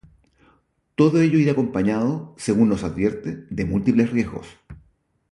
Todo ello irá acompañado, según nos advierte, de múltiples riesgos.